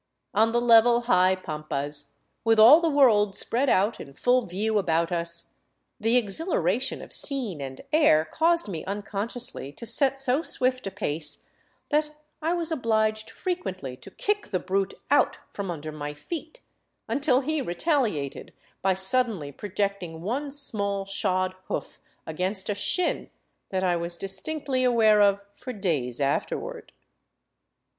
On the level, high pampas, with all the world spread out in full view about us, the exhilaration of scene and air caused me unconsciously to set so swift a pace that I was obliged frequently to kick the brute out from under my feet — until he retaliated by suddenly projecting one small, shod hoof against a shin that I was distinctly aware of for days afterward.